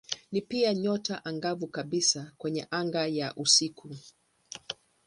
Ni pia nyota angavu kabisa kwenye anga ya usiku.